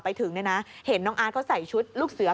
ไปถึงเนี่ยนะเห็นน้องอาร์ตเขาใส่ชุดลูกเสือ